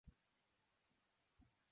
这是非常流行。